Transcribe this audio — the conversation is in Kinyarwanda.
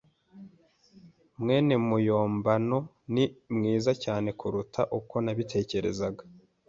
mwene muyombano ni mwiza cyane kuruta uko nabitekerezaga.